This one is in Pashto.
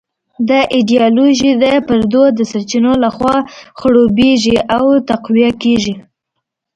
دا ایډیالوژي د پردو د سرچینو لخوا خړوبېږي او تقویه کېږي.